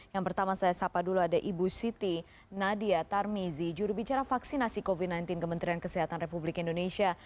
yang pertama saya sapa dulu ada ibu siti nadia tarmizi jurubicara vaksinasi covid sembilan belas kementerian kesehatan republik indonesia